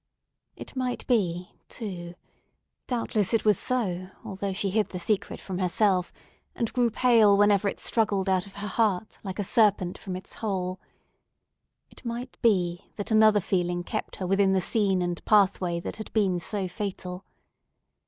It might be, too—doubtless it was so, although she hid the secret from herself, and grew pale whenever it struggled out of her heart, like a serpent from its hole—it might be that another feeling kept her within the scene and pathway that had been so fatal.